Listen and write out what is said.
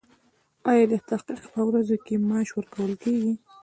ایا د تحقیق په ورځو کې معاش ورکول کیږي؟